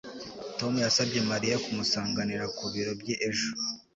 Tom yasabye Mariya kumusanganira ku biro bye ejo